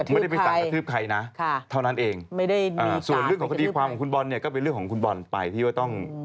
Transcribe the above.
ไม่ได้ไปสั่งกระทืบใครนะเท่านั้นเองส่วนเรื่องของคดีความของคุณบอลเนี่ยก็เป็นเรื่องของคุณบอลไปที่ว่าต้อง